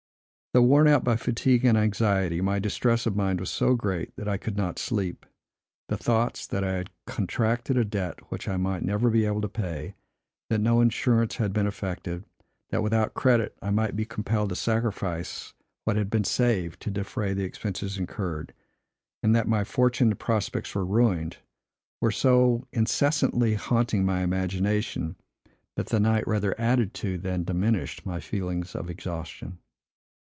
Though worn out by fatigue and anxiety, my distress of mind was so great, that I could not sleep. The thoughts, that I had contracted a debt which I might never be able to pay, that no insurance had been effected, that, without credit, I might be compelled to sacrifice what had been saved to defray the expenses incurred, and that my fortune and prospects were ruined, were so incessantly haunting my imagination, that the night rather added to, than diminished my feelings of exhaustion.